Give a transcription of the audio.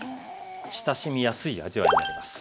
親しみやすい味わいになります。